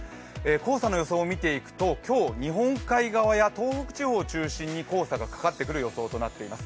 黄砂の予想を見ていくと、今日、日本海側や東北地方を中心に黄砂がかかってくる予想となっています。